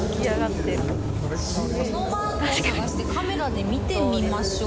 このマークを探してカメラで見てみましょう。